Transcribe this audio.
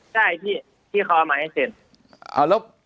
ใช่ที่เขาเอามาให้เซ็น